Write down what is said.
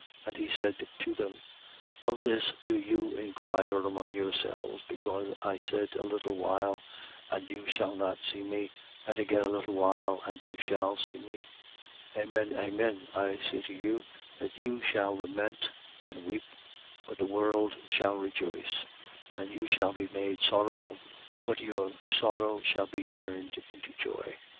And he said to them: Of this do you inquire among yourselves, because I said: A little while, and you shall not see me; and again a little while, and you shall see me? 16:20. Amen, amen, I say to you, that you shall lament and weep, but the world shall rejoice: and you shall be made sorrowful, but your sorrow shall be turned into joy.